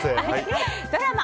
ドラマ